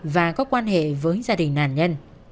và có quan hệ với gia đình nạn nhân